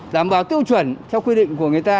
đảm bảo tiêu chuẩn theo quy định của người ta